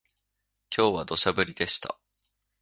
今日は土砂降りでした